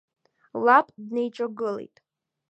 Лаб днеиҿагылеит.